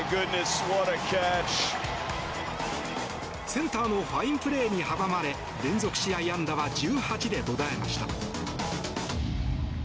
センターのファインプレーに阻まれ連続試合安打は１８で途絶えました。